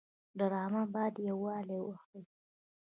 ډرامه باید یووالی وښيي